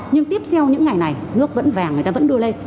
nhưng tiếp theo những ngày này nước vẫn vàng người ta vẫn đưa lên